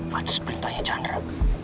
pada seberitanya chandra